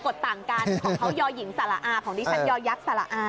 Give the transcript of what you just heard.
ของเขายอยหญิงสละอาของดิฉันยอยยักษ์สละอา